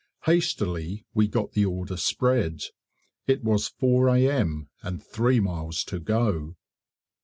Hastily we got the order spread; it was 4 A.M. and three miles to go.